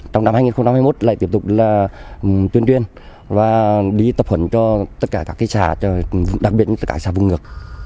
trong năm hai nghìn hai mươi một lại tiếp tục là tuyên tuyên và đi tập huấn cho tất cả các cái xã đặc biệt tất cả các xã vùng ngược